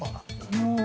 もう。